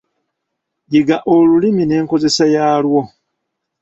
Yiga olulimi n'enkozesa yaalwo.